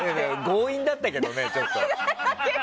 強引だったけどね、ちょっと。